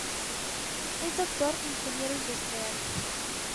Es doctor Ingeniero Industrial.